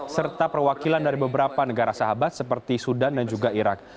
serta perwakilan dari beberapa negara sahabat seperti sudan dan juga irak